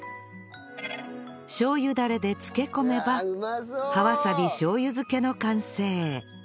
しょう油ダレで漬け込めば葉わさびしょう油漬けの完成